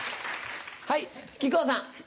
はい木久扇さん。